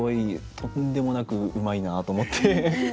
とんでもなくうまいなと思って。